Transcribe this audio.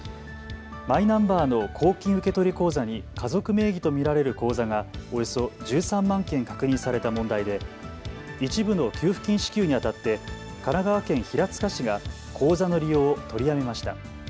マイナンバーの公金受取口座に家族名義と見られる口座がおよそ１３万件確認された問題で一部の給付金支給にあたって神奈川県平塚市が口座の利用を取りやめました。